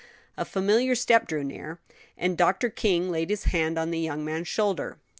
A familiar step drew near, and Dr. King laid his hand on the young man's shoulder.